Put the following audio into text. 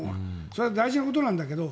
それは大事なことだけど。